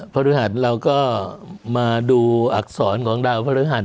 พฤหัสเราก็มาดูอักษรของดาวพระฤหัส